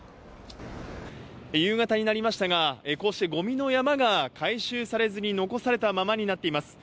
夕方になりましたが、こうしてごみの山が回収されずに残されたままになっています。